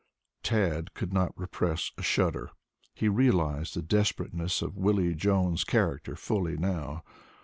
Tad could not repress a shudder. He realized the desperateness of Willie Jones' character fully now.